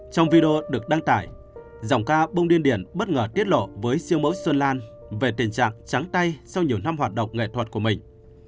trong video được đăng tải giọng ca bông điên điển bất ngờ tiết lộ với siêu mẫu xuân lan về tình trạng trắng tay sau nhiều năm hoạt động nghệ thuật của mình